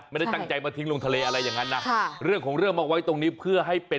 มาปล่อยไว้ตรงนี้